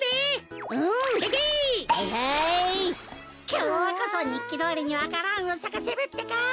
きょうこそにっきどおりにわか蘭をさかせるってか。